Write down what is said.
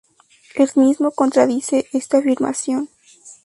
Él mismo contradice esta afirmación.